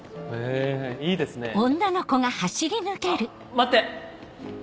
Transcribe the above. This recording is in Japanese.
待って！